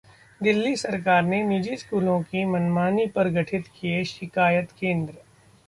दिल्ली सरकार ने निजी स्कूलों की मनमानी पर गठित किए शिकायत केंद्र